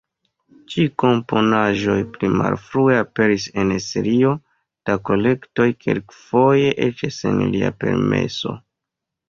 Ĉi-komponaĵoj pli malfrue aperis en serio da kolektoj, kelkfoje eĉ sen lia permeso.